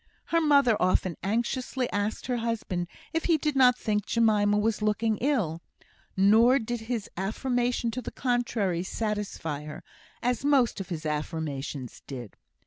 Her mother often anxiously asked her husband if he did not think Jemima was looking ill; nor did his affirmation to the contrary satisfy her, as most of his affirmations did.